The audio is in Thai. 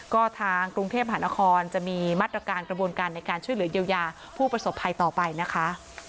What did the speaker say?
ก็ทางกรุงเทพหานครจะมีมาตรการกระบวนการในการช่วยเหลือเยียวยาผู้ประสบภัยต่อไปนะคะ